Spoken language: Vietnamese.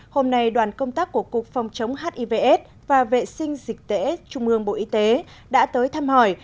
hôm nay đoàn công tác của cục phòng chống hivs và vệ sinh dịch tễ trung ương bộ y tế đã tới thăm hỏi